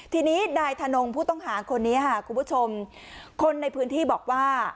ทีนี้นายธนงผู้ต้องหาคนนี้ค่ะคุณผู้ชมคนในพื้นที่บอกว่า